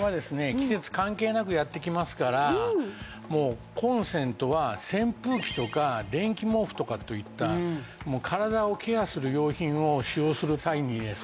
季節関係なくやって来ますからコンセントは扇風機とか電気毛布とかといった体をケアする用品を使用する際にですね